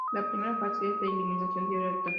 La primera fase es de eliminación directa.